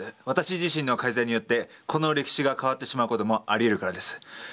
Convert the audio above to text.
私自身の介在によってこの歴史が変わってしまう事もありえるからです。